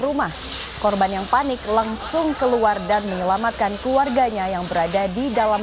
rumah korban yang panik langsung keluar dan menyelamatkan keluarganya yang berada di dalam